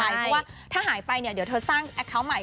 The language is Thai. เพราะว่าถ้าหายไปเนี่ยเดี๋ยวเธอสร้างแอคเคาน์ใหม่